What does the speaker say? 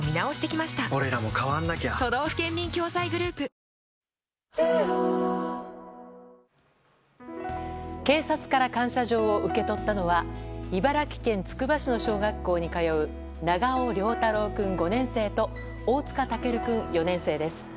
丕劭蓮キャンペーン中警察から感謝状を受け取ったのは茨城県つくば市の小学校に通う長尾凌太郎君、５年生と大塚尊君、４年生です。